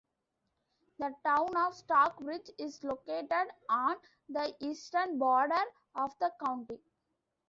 The Town of Stockbridge is located on the eastern border of the county.